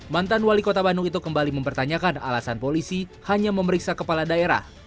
mantan wali kota bandung itu kembali mempertanyakan alasan polisi hanya memeriksa kepala daerah